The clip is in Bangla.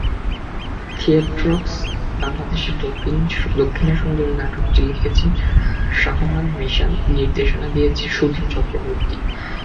থিয়েট্রেক্স বাংলাদেশের দক্ষিণা সুন্দরী নাটকটি লিখেছেন শাহমান মৈশান, নির্দেশনা দিয়েছেন সুদীপ চক্রবর্তী।